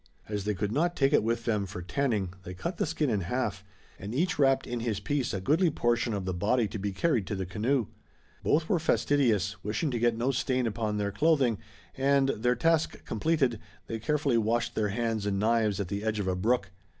As they could not take it with them for tanning, they cut the skin in half, and each wrapped in his piece a goodly portion of the body to be carried to the canoe. Both were fastidious, wishing to get no stain upon their clothing, and, their task completed, they carefully washed their hands and knives at the edge of a brook.